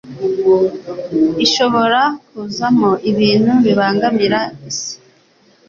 ishobora kuzamo ibintu bibangamira isi,